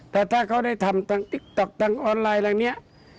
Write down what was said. แต่ถ้าเขาได้ทำตังค์ติ๊กต๊อกตังค์ออนไลน์แหละนี้